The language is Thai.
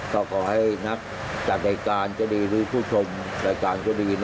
ก็ขอให้นักจัดรายการก็ดีหรือผู้ชมรายการก็ดี